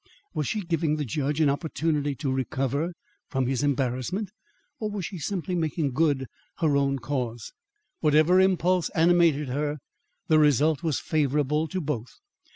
Was she giving the judge an opportunity to recover from his embarrassment, or was she simply making good her own cause? Whichever impulse animated her, the result was favourable to both.